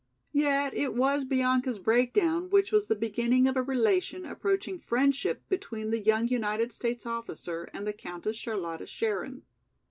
Yet it was Bianca's breakdown which was the beginning of a relation approaching friendship between the young United States officer and the Countess Charlotta Scherin.